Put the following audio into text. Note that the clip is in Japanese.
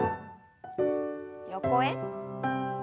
横へ。